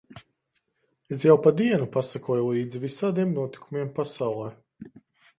Es jau pa dienu pasekoju līdzi visādiem notikumiem pasaulē.